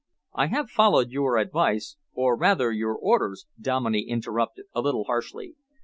"I have followed your advice, or rather your orders," Dominey interrupted, a little harshly.